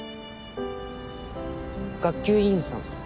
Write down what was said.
学級委員さん？